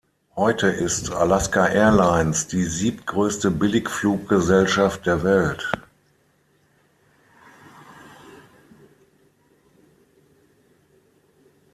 Heute ist Alaska Airlines die siebtgrößte Billigfluggesellschaft der Welt.